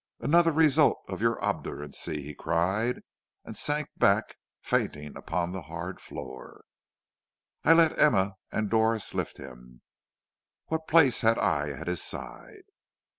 "'Another result of your obduracy,' he cried, and sank back fainting upon the hard floor. "I let Emma and Doris lift him. What place had I at his side?